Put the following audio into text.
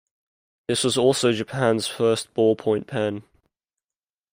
This was also Japan's first ballpoint pen.